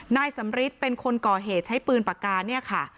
นายสำริษฐ์เป็นคนก่อเหตุใช้ปืนปากกา